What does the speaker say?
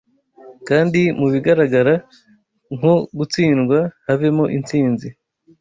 kandi mu bigaragara nko gutsindwa havemo intsinzi